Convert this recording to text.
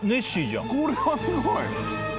これはすごい。